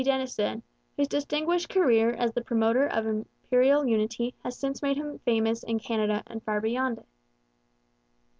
Denison, whose distinguished career as the promoter of Imperial unity has since made him famous in Canada and far beyond it.